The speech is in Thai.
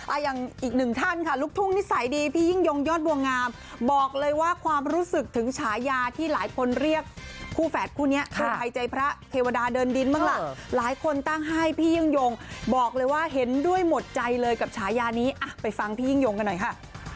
อย่างอีกหนึ่งท่านค่ะลูกทุ่งนิสัยดีพี่ยิ่งยงยอดบัวงามบอกเลยว่าความรู้สึกถึงฉายาที่หลายคนเรียกคู่แฝดคู่นี้คือใครใจพระเทวดาเดินดินบ้างล่ะหลายคนตั้งให้พี่ยิ่งยงบอกเลยว่าเห็นด้วยหมดใจเลยกับฉายานี้อ่ะไปฟังพี่ยิ่งยงกันหน่อยค่ะ